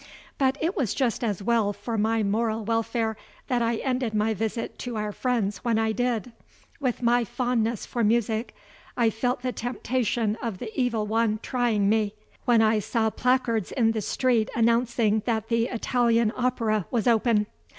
But it was just as well for my moral welfare that I ended my visit to our friends when I did. With my fondness for music, I felt the temptation of the Evil One trying me, when I saw placards in the street announcing that the Italian Opera was open.